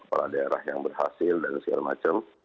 kepala daerah yang berhasil dan segala macam